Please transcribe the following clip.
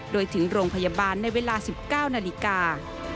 โดยถึงโรงพยาบาลในเวลา๑๙นาฬิกา